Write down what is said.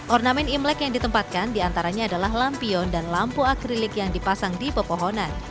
ornamen imlek yang ditempatkan diantaranya adalah lampion dan lampu akrilik yang dipasang di pepohonan